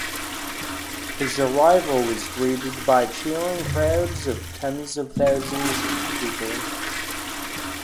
His arrival was greeted by cheering crowds of tens of thousands of people.